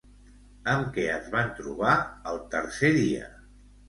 Amb què es van trobar el tercer dia?